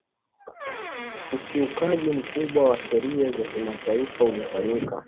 ukiukaji mkubwa wa sheria za kimataifa ulifanyika